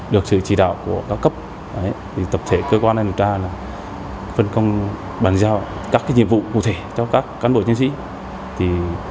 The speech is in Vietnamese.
được sự chỉ đạo của cao cấp tập thể cơ quan an điều tra phân công bàn giao các nhiệm vụ cụ thể cho các cán bộ chiến sĩ